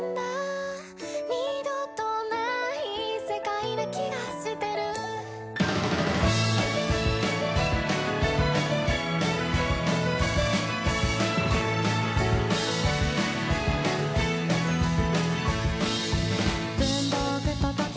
「二度とない世界な気がしてる」「文房具と時計